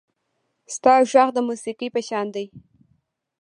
• ستا غږ د موسیقۍ په شان دی.